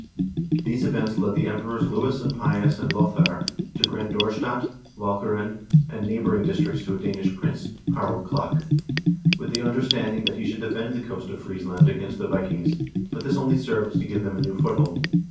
These events led the emperors Lewis the Pious and Lothair to grant Dorstadt, Walcheren, and neighboring districts to a Danish prince, Harald Klak, with the understanding that he should defend the coast of Friesland against the Vikings, but this only served to give them a new foothold.